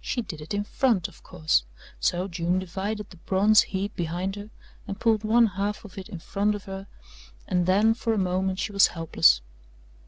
She did it in front, of course, so June divided the bronze heap behind her and pulled one half of it in front of her and then for a moment she was helpless.